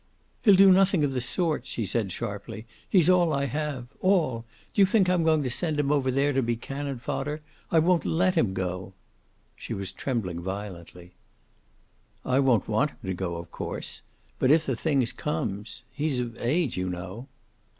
"He'll do nothing of the sort," she said sharply. "He's all I have. All. Do you think I'm going to send him over there to be cannon fodder? I won't let him go." She was trembling violently. "I won't want him to go, of course. But if the thing comes he's of age, you know."